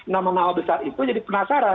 nama nama besar itu jadi penasaran